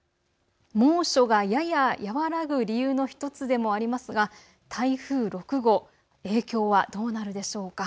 猛暑がやや和らぐ理由の１つでもありますが台風６号、影響はどうなるでしょうか。